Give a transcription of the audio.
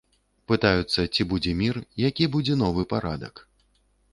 Пытаюцца, ці будзе мір, які будзе новы парадак.